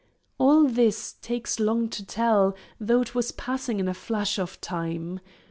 All this takes long to tell, though it was passing in a flash of time.